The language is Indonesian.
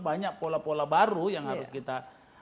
banyak pola pola baru yang harus kita